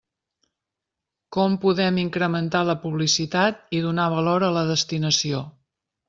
Com podem incrementar la publicitat i donar valor a la destinació.